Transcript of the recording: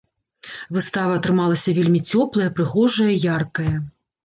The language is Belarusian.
Выстава атрымалася вельмі цёплая, прыгожая яркая.